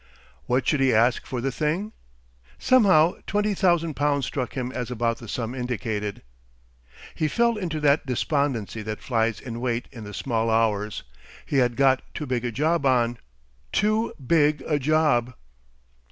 What should he ask for the thing? Somehow twenty thousand pounds struck him as about the sum indicated. He fell into that despondency that lies in wait in the small hours. He had got too big a job on too big a job....